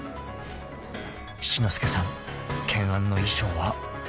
［七之助さん懸案の衣装は］